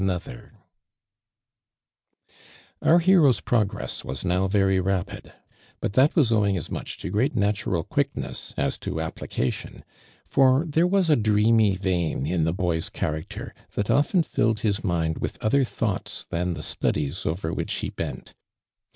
»ur hero's progress was nwv very rapid, but that was owing as much to great natu ral quickness us to application, for theiie was a dreamy vein in tlu' boy's character that often filled his mind with other thoughts than the studies over which he bent.